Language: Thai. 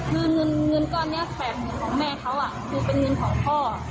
คือเงินก้อนเนี้ยแสดงเหมือนของแม่เค้าอ่ะคือเป็นเงินของพ่อ